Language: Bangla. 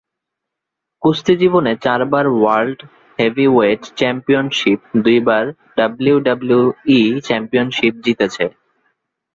কুস্তি জীবনে চারবার ওয়ার্ল্ড হেভিওয়েট চ্যাম্পিয়নশীপ, দুইবার ডাব্লিউডাব্লিউই চ্যাম্পিয়নশিপ জিতেছে।